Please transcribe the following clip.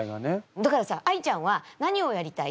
だからさあいちゃんは何をやりたい？